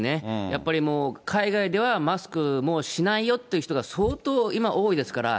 やっぱり、もう海外ではマスク、もうしないよっていう人が相当今、多いですから。